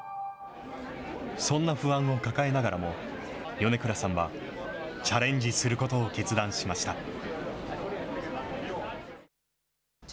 そんな不安を抱えながらも、米倉さんは、チャレンジすることを決断しました。